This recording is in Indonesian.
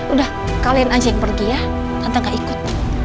udah kalian aja yang pergi ya atau gak ikut